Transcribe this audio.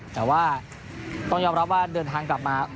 แต่ว่าต้องยอมรับว่าเดินทางกลับมา